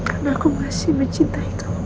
karena aku masih mencintai kamu